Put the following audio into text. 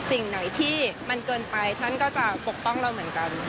สิ่งไหนที่มันเกินไปท่านก็จะปกป้องเราเหมือนกัน